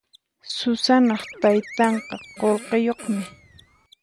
Susanaq taytanqa qullqiyuqmi.